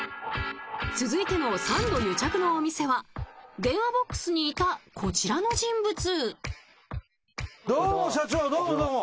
続いてのサンド癒着のお店は電話ボックスにいたこちらの人物。